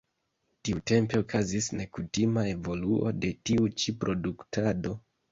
Tiutempe okazis nekutima evoluo de tiu ĉi produktado.